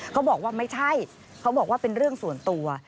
เขาบอกว่าไม่ใช่เขาบอกว่าเป็นเรื่องส่วนตัว